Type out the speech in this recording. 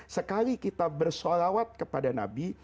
sekali kita bersolawat kepada nabi